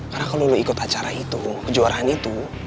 karena kalau lo ikut acara itu kejuaraan itu